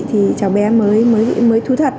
thì trò bé mới thú thật